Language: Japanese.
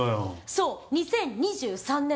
そう２０２３年です。